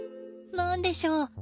何でしょう